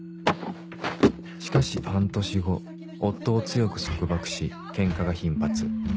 「しかし半年後夫を強く束縛しケンカが頻発。